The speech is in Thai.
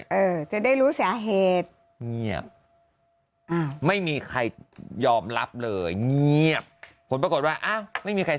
อ่าจะได้รู้สินะเหตุเงียบไม่มีใครยอมรับเลยเงียบผลปรากฏว่าไม่มีใคร